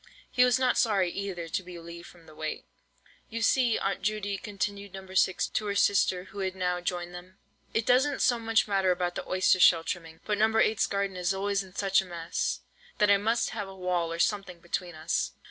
He was not sorry either to be relieved from the weight. "You see, Aunt Judy," continued No. 6 to her sister, who had now joined them, "it doesn't so much matter about the oyster shell trimming; but No. 8's garden is always in such a mess, that I must have a wall or something between us!"